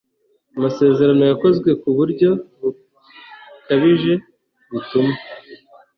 amasezerano yakozwe ku buryo bukabije bituma